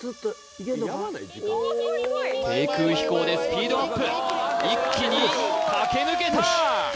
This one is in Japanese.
低空飛行でスピードアップ一気に駆け抜けた！